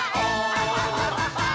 アハハハハ！